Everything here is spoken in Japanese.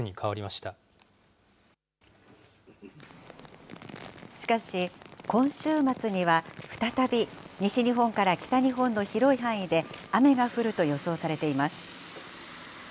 しかし、今週末には再び西日本から北日本の広い範囲で雨が降ると予想されています。